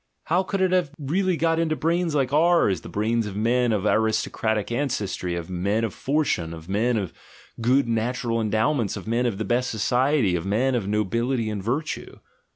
How could it have really got in brains like ours, the brains of men of aristocratic ancestry, of men of fortune, of men of good natural endowments, of men of the best society, of men of nobility and virtue?"